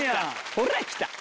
ほらきた！